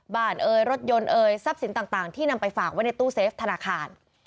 เอ่ยรถยนต์เอ่ยทรัพย์สินต่างที่นำไปฝากไว้ในตู้เซฟธนาคาร